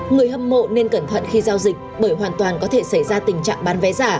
người hâm mộ nên cẩn thận khi giao dịch bởi hoàn toàn có thể xảy ra tình trạng bán vé giả